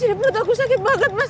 ini perut aku sakit banget mas